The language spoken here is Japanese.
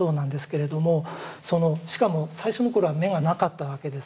しかも最初の頃は眼がなかったわけです。